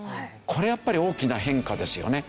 これやっぱり大きな変化ですよね。